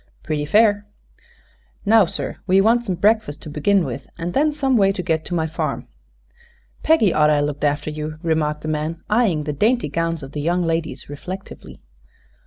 "Pretty fair." "Now, sir, we want some breakfast, to begin with, and then some way to get to my farm." "Peggy orter 'a' looked after you," remarked the man, eyeing the dainty gowns of the young ladies reflectively.